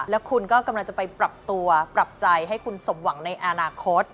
แล้วคุณก็กำลังจะไปปรับตัวปรับใจให้คุณสมหวังในอนาคต